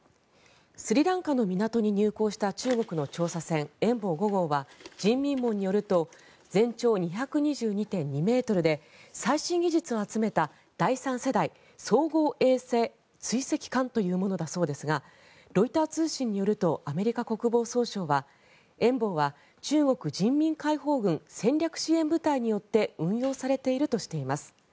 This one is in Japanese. スリランカの港に入港した中国の調査船「遠望５号」は人民網によると全長２２２．２ｍで最新技術を集めた第３世代総合衛星追跡艦というものだそうですがロイター通信によるとアメリカ国防総省は「遠望」は中国人民解放軍戦略支援部隊によって運用されているとしています。